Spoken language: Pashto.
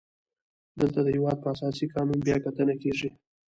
دلته د هیواد په اساسي قانون بیا کتنه کیږي.